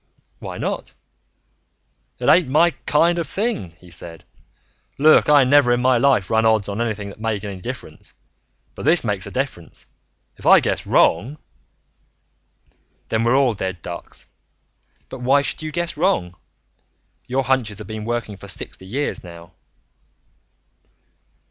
"Why not?" "It ain't my kind of thing," he said. "Look, I never in my life run odds on anything that made any difference. But this makes a difference. If I guess wrong " "Then we're all dead ducks. But why should you guess wrong? Your hunches have been working for sixty years now."